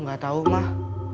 gak tau mah